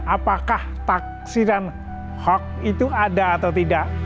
apakah taksiran hoax itu ada atau tidak